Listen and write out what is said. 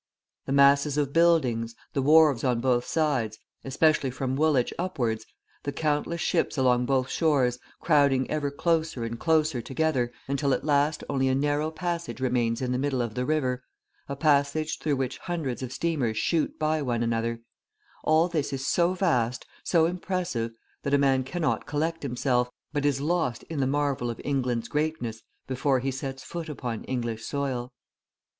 The masses of buildings, the wharves on both sides, especially from Woolwich upwards, the countless ships along both shores, crowding ever closer and closer together, until, at last, only a narrow passage remains in the middle of the river, a passage through which hundreds of steamers shoot by one another; all this is so vast, so impressive, that a man cannot collect himself, but is lost in the marvel of England's greatness before he sets foot upon English soil.